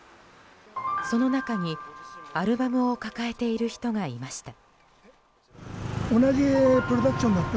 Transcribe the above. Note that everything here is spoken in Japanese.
その中に、アルバムを抱えている人がいました。